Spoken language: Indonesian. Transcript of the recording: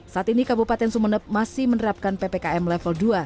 saat ini kabupaten sumeneb masih menerapkan ppkm level dua